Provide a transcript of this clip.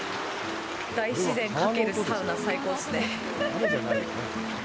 大自然掛けるサウナ、最高っすね。